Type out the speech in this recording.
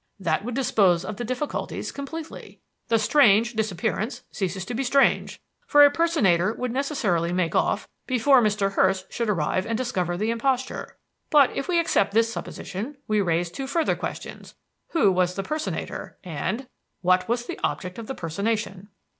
That would dispose of the difficulties completely. The strange disappearance ceases to be strange, for a personator would necessarily make off before Mr. Hurst should arrive and discover the imposture. But if we accept this supposition, we raise two further questions: 'Who was the personator?' and 'What was the object of the personation?'